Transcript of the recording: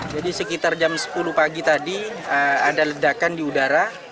jadi sekitar jam sepuluh pagi tadi ada ledakan di udara